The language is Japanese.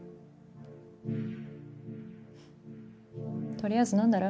とりあえず飲んだら？